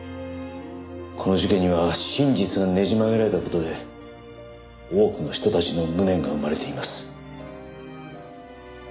この事件には真実がねじ曲げられた事で多くの人たちの無念が生まれています。